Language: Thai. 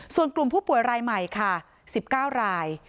ส่วนกลุ่มผู้ป่วยรายใหม่ค่ะ๑๙ราย